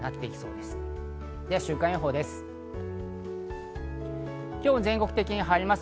では週間予報です。